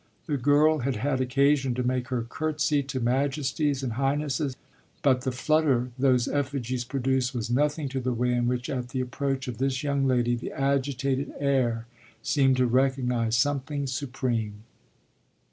The girl had had occasion to make her curtsey to majesties and highnesses, but the flutter those effigies produced was nothing to the way in which at the approach of this young lady the agitated air seemed to recognise something supreme.